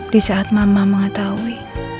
di saat mama mengetahui